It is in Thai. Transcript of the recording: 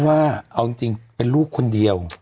ว่าเอาจริงเป็นลูกคนเดียว